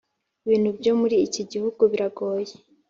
Ibintu byo muri iki gihugu biragoye